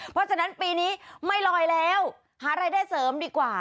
เพราะฉะนั้นปีนี้ไม่ลอยแล้วหารายได้เสริมดีกว่า